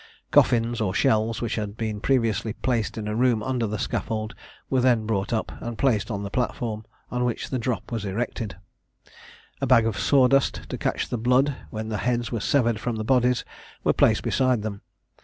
Coffins, or shells, which had been previously placed in a room under the scaffold, were then brought up, and placed on the platform, on which the drop was erected; a bag of sawdust, to catch the blood when the heads were severed from the bodies, was placed beside them.